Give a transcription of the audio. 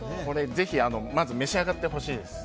ぜひ召し上がってほしいです。